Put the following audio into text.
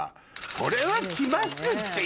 それは来ますって